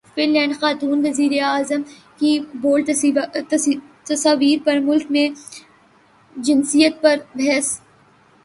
fun land خاتون وزیراعظم کی بولڈ تصاویر پر ملک میں جنسیت پر بحث